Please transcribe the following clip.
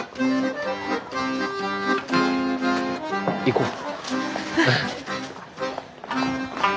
行こう。